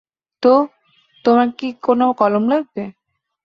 তো, তোমার কি কোনো কলম লাগবে?